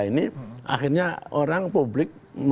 ini akhirnya orang publik